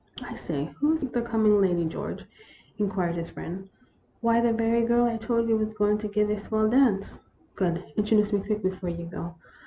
"I say, who is the coming lady, George?" in quired his friend. " Why, the very girl I told you was going to give a swell dance." " Good ! Introduce me quick ! before you go.